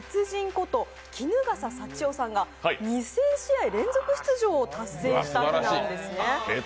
こと衣笠祥雄さんが２０００試合連続出場達成した日なんですね。